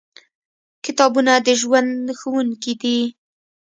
کتابونه د ژوند ښوونکي دي.